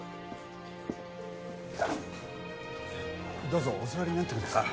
どうぞお座りになってください。